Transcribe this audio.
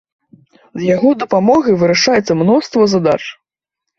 З яго дапамогай вырашаецца мноства задач.